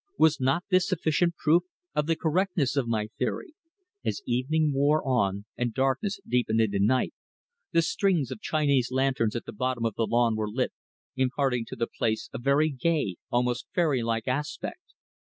Was not this sufficient proof of the correctness of my theory? As evening wore on and darkness deepened into night, the strings of Chinese lanterns at the bottom of the lawn were lit, imparting to the place a very gay, almost fairylike, aspect.